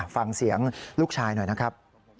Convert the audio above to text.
ฟังเสียงลูกชายหน่อยนะครับ